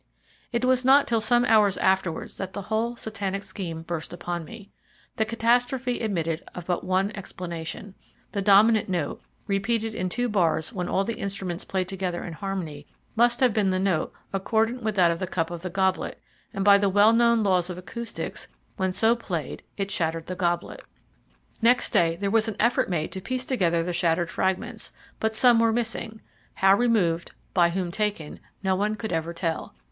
It was not till some hours afterwards that the whole Satanic scheme burst upon me. The catastrophe admitted of but one explanation. The dominant note, repeated in two bars when all the instruments played together in harmony, must have been the note accordant with that of the cup of the goblet, and by the well known laws of acoustics, when so played it shattered the goblet. Next day there was an effort made to piece together the shattered fragments, but some were missing how removed, by whom taken, no one could ever tell.